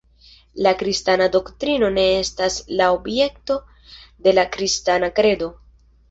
La kristana doktrino ne estas la objekto de la kristana kredo.